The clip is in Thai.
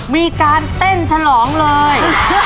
มีการเต้นฉลองเลย